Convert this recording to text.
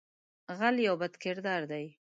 غل یو بد کردار دی